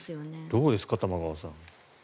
どうですか、玉川さん。